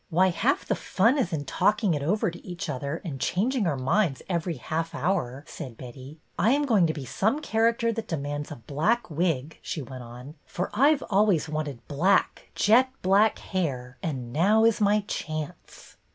" Why, half the fun is in talking it over to each other and changing our minds every THE MASQUERADE 239 half hour," said Betty. " I 'm going to be some character that demands a black wis," she went on, " for I Ve always wanted black, jet black, hair, and now is my chance."